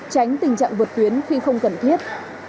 tránh tình trạng vượt tuyến khi không cần thiết